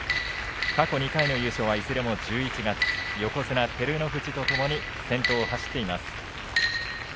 過去２回の優勝は、いずれも１１月、横綱照ノ富士とともに先頭を走っています。